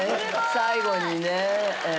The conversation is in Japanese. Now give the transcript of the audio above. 最後にね。